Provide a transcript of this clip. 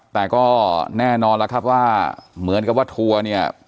แต่ก็แน่นอนแล้วครับว่าเหมือนกับว่าทัวร์เนี่ย